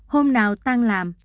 hôm nào tăng làm